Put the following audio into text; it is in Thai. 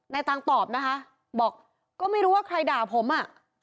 ตังค์ตอบนะคะบอกก็ไม่รู้ว่าใครด่าผมอ่ะ